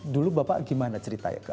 dulu bapak gimana cerita